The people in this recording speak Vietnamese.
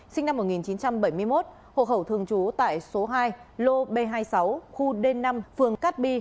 sinh năm một nghìn chín trăm bảy mươi một hộ khẩu thường trú tại số hai lô b hai mươi sáu khu d năm phường cát bi